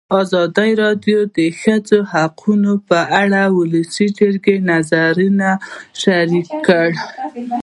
ازادي راډیو د د ښځو حقونه په اړه د ولسي جرګې نظرونه شریک کړي.